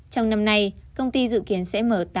trong năm nay công ty dự kiến sẽ mở tám khách sạn